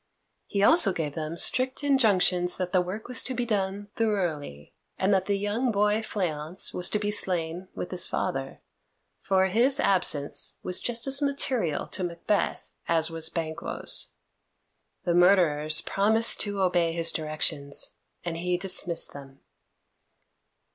He also gave them strict injunctions that the work was to be done thoroughly, and that the young boy Fleance was to be slain with his father, for his absence was just as material to Macbeth as was Banquo's. The murderers promised to obey his directions, and he dismissed them.